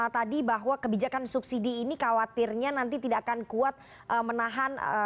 tadi bahwa kebijakan subsidi ini khawatirnya nanti tidak akan kuat menahan